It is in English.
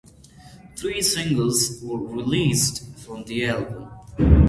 Three singles were released from the album.